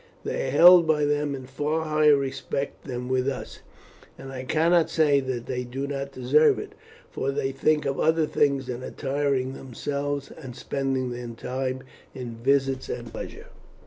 They are held by them in far higher respect than with us, and I cannot say that they do not deserve it, for they think of other things than attiring themselves and spending their time in visits and pleasure."